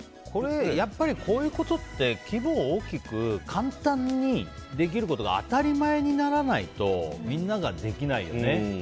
やっぱり、こういうことって規模を大きく、簡単にできることが当たり前にならないとみんなができないよね。